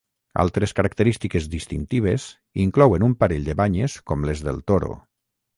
Altres característiques distintives inclouen un parell de banyes com les del toro.